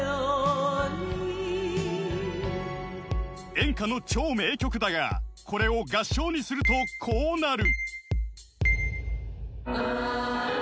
［演歌の超名曲だがこれを合唱にするとこうなる］